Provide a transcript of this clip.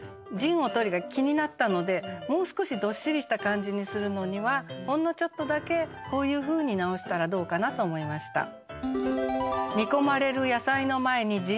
「陣を取り」が気になったのでもう少しどっしりした感じにするのにはほんのちょっとだけこういうふうに直したらどうかなと思いました。